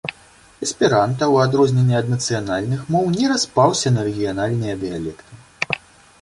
Эсперанта, у адрозненне ад нацыянальных моў, не распаўся на рэгіянальныя дыялекты.